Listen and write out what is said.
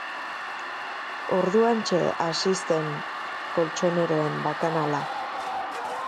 Orduantxe hasi zen koltxoneroen bakanala.